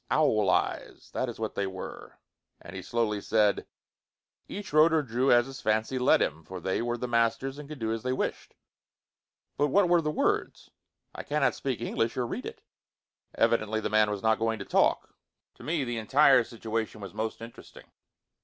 Owl eyes! That is what they were, and he slowly said, "Each wrote or drew as his fancy led him, for they were the masters and could do as they wished." "But what were the words?" "I cannot speak English, or read it." Evidently, the man was not going to talk. To me the entire situation was most interesting.